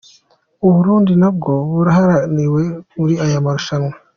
U Burundi nabwo burahagarariwe muri aya marushanwa.